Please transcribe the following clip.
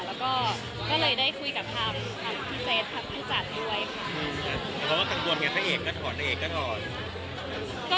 แล้วก็เลยได้คุยกับทางพี่เจสทางพี่จัดด้วยค่ะ